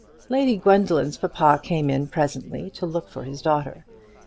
Lady Gwendoline's papa came in presently to look for his daughter.